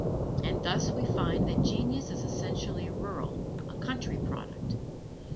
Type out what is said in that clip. And thus we find that genius is essentially rural a country product.